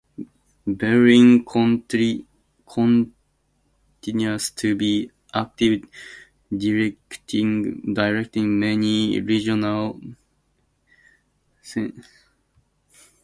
Berlin continues to be active directing many regional theatrical productions.